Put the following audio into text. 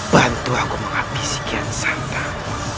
bantu aku menghapis sekian santan